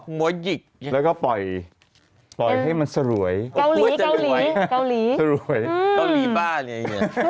เหงื่อหยิกแล้วก็ปล่อยให้มันสรวยเกาหลี